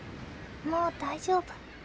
もう大丈夫。